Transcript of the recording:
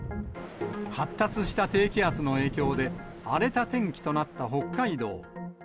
発達した低気圧の影響で、荒れた天気となった北海道。